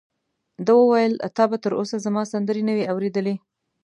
ده وویل: تا به تر اوسه زما سندرې نه وي اورېدلې؟